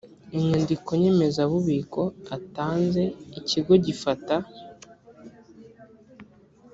inyandiko nyemezabubiko atanze ikigo gifata